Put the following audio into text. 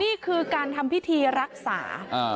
นี่คือการทำพิธีรักษา